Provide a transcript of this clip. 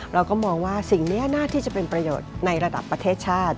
เราก็มองว่าสิ่งนี้น่าที่จะเป็นประโยชน์ในระดับประเทศชาติ